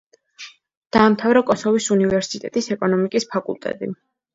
დაამთავრა კოსოვოს უნივერსიტეტის ეკონომიკის ფაკულტეტი.